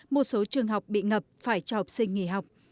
một số trường học bị ngập phải cho học sinh nghỉ học